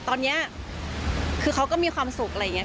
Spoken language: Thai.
ตอนนี้คือเขาก็มีความสุขอะไรอย่างนี้